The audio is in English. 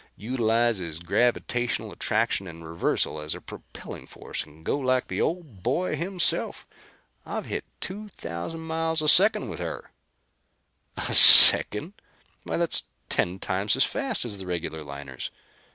Utilizes gravitational attraction and reversal as a propelling force and can go like the Old Boy himself. I've hit two thousand miles a second with her." "A second! Why, that's ten times as fast as the regular liners!